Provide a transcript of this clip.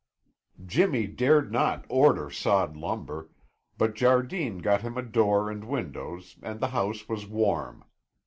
Jimmy dared not order sawed lumber, but Jardine got him a door and windows and the house was warm.